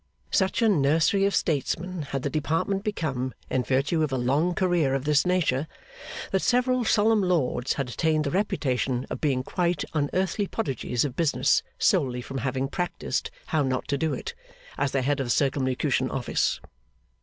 Such a nursery of statesmen had the Department become in virtue of a long career of this nature, that several solemn lords had attained the reputation of being quite unearthly prodigies of business, solely from having practised, How not to do it, as the head of the Circumlocution Office.